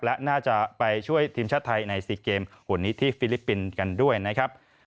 และน่าจะไปช่วยทีมชาติไทยใน๔เกมวันนี้ที่ฟิลิปปินส์กันด้วยนะครับ